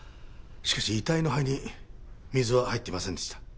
しかし遺体の肺に水は入っていませんでした。